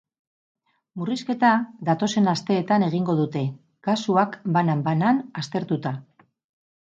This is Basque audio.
Murrizketa datozen asteetan egingo dute, kasuak banan-banan aztertuta.